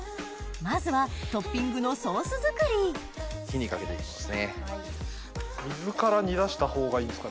まずはトッピングのソース作り火にかけていきますね。